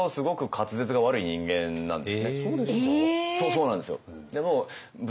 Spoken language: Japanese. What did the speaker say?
そうなんですよ。